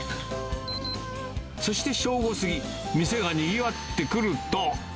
そして正午過ぎ、店がにぎわってくると。